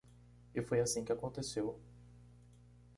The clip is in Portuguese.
E foi assim que aconteceu.